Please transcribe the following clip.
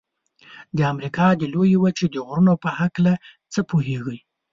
د امریکا د لویې وچې د غرونو په هکله څه پوهیږئ؟